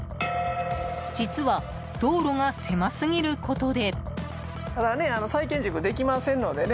実は道路が狭すぎることで。